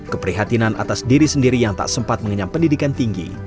keprihatinan atas diri sendiri yang tak sempat mengenyam pendidikan tinggi